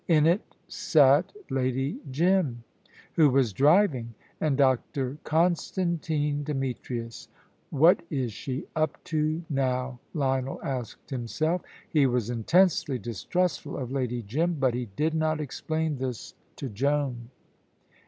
In it sat Lady Jim, who was driving, and Dr. Constantine Demetrius. "What is she up to now?" Lionel asked himself. He was intensely distrustful of Lady Jim, but he did not explain this to Joan.